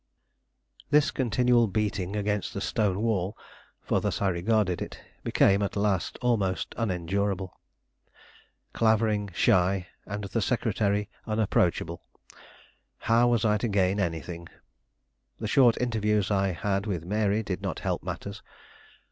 This continual beating against a stone wall, for thus I regarded it, became at last almost unendurable. Clavering shy, and the secretary unapproachable how was I to gain anything? The short interviews I had with Mary did not help matters.